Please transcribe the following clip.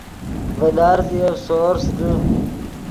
ڤے لارزیف سورس دے